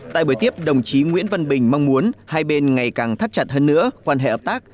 tại buổi tiếp đồng chí nguyễn văn bình mong muốn hai bên ngày càng thắt chặt hơn nữa quan hệ hợp tác